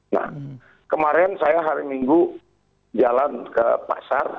nah kemarin saya hari minggu jalan ke pasar